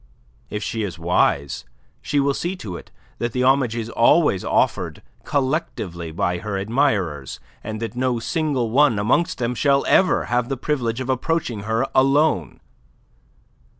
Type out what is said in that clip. If she is wise she will see to it that the homage is always offered collectively by her admirers, and that no single one amongst them shall ever have the privilege of approaching her alone.